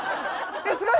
えすごい！